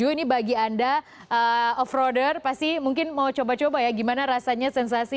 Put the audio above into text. ini bagi anda off roader pasti mungkin mau coba coba ya gimana rasanya sensasi